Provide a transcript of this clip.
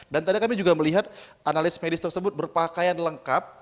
dan tadi kami juga melihat analis medis tersebut berpakaian lengkap